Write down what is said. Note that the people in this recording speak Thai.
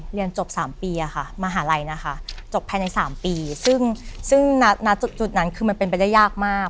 เรียนจบ๓ปีค่ะมหาลัยนะคะจบภายใน๓ปีซึ่งซึ่งณจุดนั้นคือมันเป็นไปได้ยากมาก